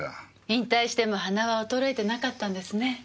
引退しても鼻は衰えてなかったんですね。